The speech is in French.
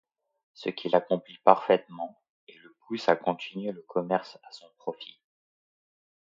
Ce qu’il accomplit parfaitement et le pousse à continuer le commerce à son profit.